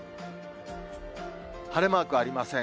晴れマークありません。